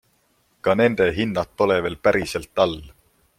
Ka nende hinnad pole veel päriselt all.